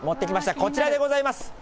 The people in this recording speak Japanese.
こちらでございます。